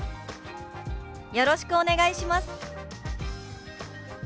「よろしくお願いします」。